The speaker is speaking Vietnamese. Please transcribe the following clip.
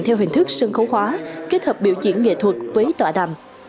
theo hình thức sân khấu hóa kết hợp biểu diễn nghệ thuật với tọa đàm